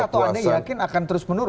atau anda yakin akan terus menurun